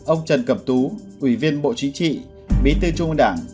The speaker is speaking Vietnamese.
ông trần cẩm tú ủy viên bộ chính trị bí thư trung ương đảng